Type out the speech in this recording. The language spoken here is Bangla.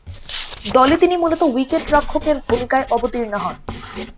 দলে তিনি মূলতঃ উইকেট-রক্ষকের ভূমিকায় অবতীর্ণ হন।